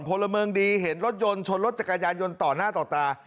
พลเมืองดีเห็นรถยนต์ชนรถจักรยานยนต์ต่อหน้าต่อตา